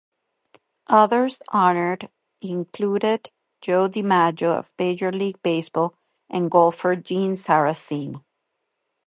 Others honored included Joe DiMaggio of Major League Baseball and golfer Gene Sarazen.